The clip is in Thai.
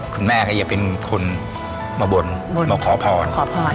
คุณแม่ก็อย่าเป็นคนมาบ่นมาขอพร